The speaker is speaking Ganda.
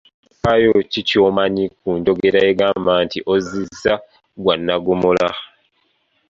Kyafaayo ki ky'omanyi ku njogera egamba nti ozzizza gwa nnaggomola?